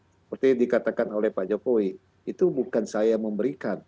seperti dikatakan oleh pak jokowi itu bukan saya memberikan